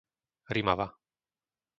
Rimava